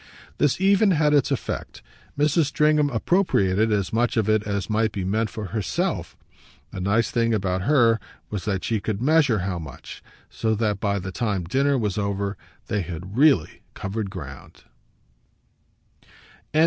This even had its effect: Mrs. Stringham appropriated as much of it as might be meant for herself. The nice thing about her was that she could measure how much; so that by the time dinner was over they had really covered ground.